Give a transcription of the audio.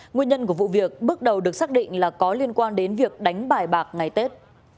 nguyên nhân của vụ việc bước đầu được xác định là có liên quan đến việc đánh bài bạc ngày tết